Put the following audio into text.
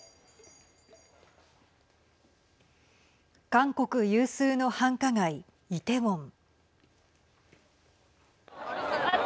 韓国有数の繁華街イテウォン。